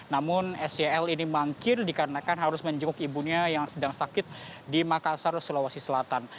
namun sel ini mangkir dikarenakan harus menjenguk ibunya yang sedang sakit di makassar sulawesi selatan